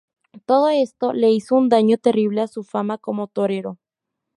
Todo esto le hizo un daño terrible a su fama como torero.